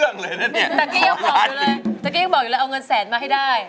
เอาเงินแสนมาให้ได้